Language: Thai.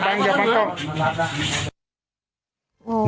นี่แม่งโอ้โหอย่าบังลูกอย่าบัง